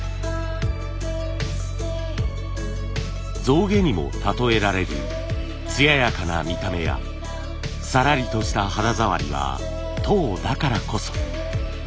象牙にも例えられる艶やかな見た目やさらりとした肌触りは籐だからこそ。